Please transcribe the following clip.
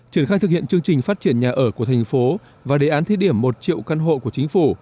triển khai thực hiện chương trình phát triển nhà ở của thành phố và đề án thí điểm một triệu căn hộ của chính phủ